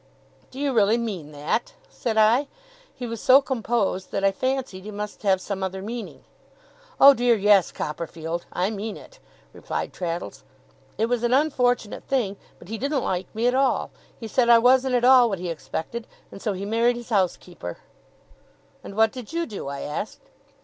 'Do you really mean that?' said I. He was so composed, that I fancied he must have some other meaning. 'Oh dear, yes, Copperfield! I mean it,' replied Traddles. 'It was an unfortunate thing, but he didn't like me at all. He said I wasn't at all what he expected, and so he married his housekeeper.' 'And what did you do?' I asked.